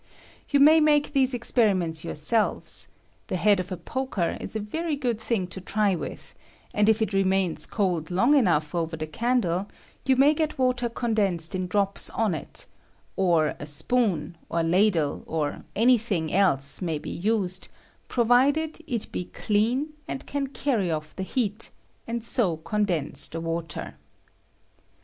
You may make these experiments yourselves : the head of a poker is a very good j^mg to try with, and if it remains cold long enough over the candle, you may get water condensed in drops on it ; or a spoon, or ladle, or any thing else may be used, provided it be clean, and can cany off the beat, and so condense the water.